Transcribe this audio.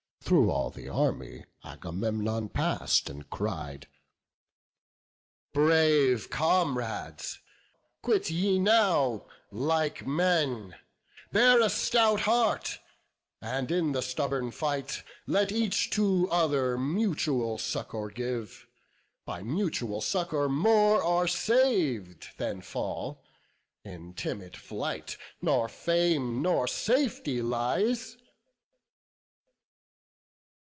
Through all the army Agamemnon pass'd, And cried, "Brave comrades, quit ye now like men; Bear a stout heart; and in the stubborn fight, Let each to other mutual succour give; By mutual succour more are sav'd than fall; In timid flight nor fame nor safety lies."